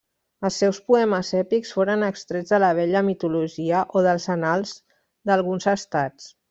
Els seus poemes èpics foren extrets de la vella mitologia o dels annals d'alguns estats.